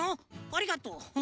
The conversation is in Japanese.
ありがとう。